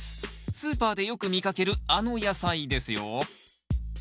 スーパーでよく見かけるあの野菜ですよ